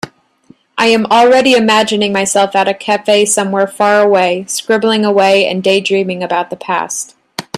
I am already imagining myself at a cafe somewhere far away, scribbling away and daydreaming about the past.